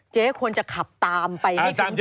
เจ๊ควรจะขับตามไป